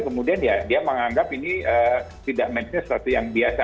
kemudian ya dia menganggap ini tidak matchnya sesuatu yang biasa